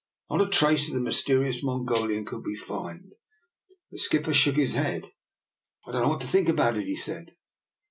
Not a trace of the mysterious Mongolian could we find. The skipper shook his head. " I don't know what to think about it," he said.